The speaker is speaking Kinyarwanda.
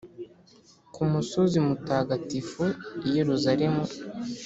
ku musozi mutagatifu, i Yeruzalemu.